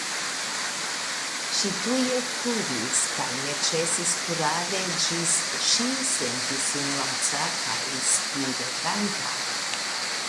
Ŝi tuj ekkuris, kaj ne ĉesis kuradi ĝis ŝi sentis sin laca kaj spireganta.